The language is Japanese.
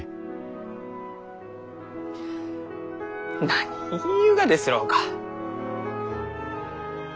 何言いゆうがですろうか。